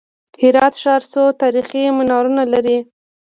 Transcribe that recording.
هرات ښار څو تاریخي منارونه لري؟